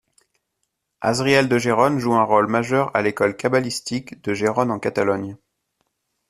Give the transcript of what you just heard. Azriel de Gérone joue un rôle majeur à l’école kabbalistique de Gérone en Catalogne.